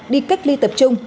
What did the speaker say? đi cách ly tập trung